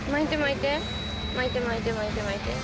巻いて巻いて巻いて巻いて。